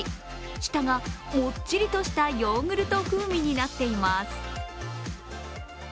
下が、もっちりとしたヨーグルト風味になっています。